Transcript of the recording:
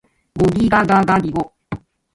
ゴギガガガギゴ